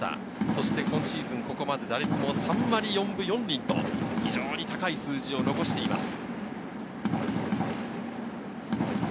そして今シーズン、ここまで打率は３割４分４厘と非常に高い数字を残しています。